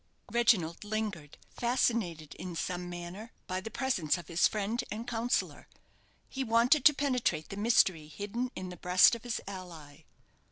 Reginald lingered, fascinated in some manner by the presence of his friend and counsellor. He wanted to penetrate the mystery hidden in the breast of his ally.